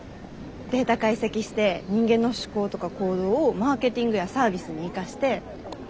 データ解析して人間の思考とか行動をマーケティングやサービスに生かして。